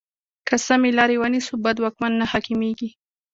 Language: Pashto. که سمې لارې ونیسو، بد واکمن نه حاکمېږي.